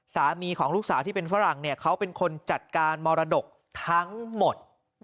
สามีของลูกสาวที่เป็นฝรั่งเนี่ยเขาเป็นคนจัดการมรดกทั้งหมด